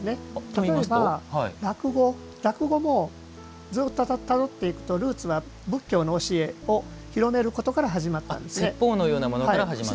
例えば落語落語もずうっとたどっていくとルーツは仏教の教えを広めることから説法のようなものから始まった。